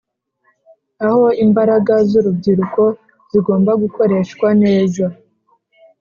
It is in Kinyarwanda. aho imbaraga z'urubyiruko zigomba gukoreshwa neza.